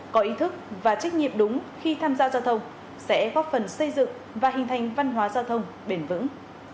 có ý thức và trách nhiệm đúng khi tham gia giao thông sẽ góp phần xây dựng và hình thành văn hóa giao thông bền vững